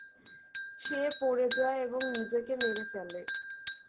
সে পড়ে যায় এবং নিজেকে মেরে ফেলে।